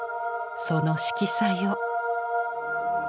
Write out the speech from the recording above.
その色彩を。